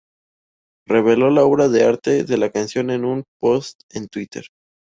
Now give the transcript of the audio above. Reveló la obra de arte de la canción en un post en Twitter.